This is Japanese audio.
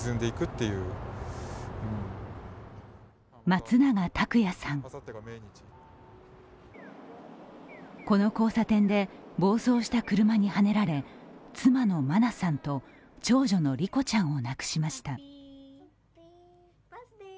松永拓也さん、この交差点で暴走した車にはねられ、妻の真菜さんと長女の莉子ちゃんを亡くしました。